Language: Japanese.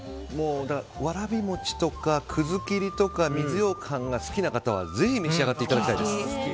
わらび餅とか、くずきりとか水ようかんが好きな方はぜひ召し上がっていただきたい。